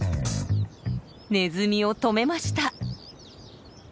ネズミを止めました！